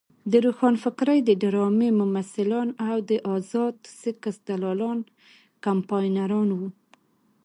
د روښانفکرۍ د ډرامې ممثلان او د ازاد سیکس دلالان کمپاینران وو.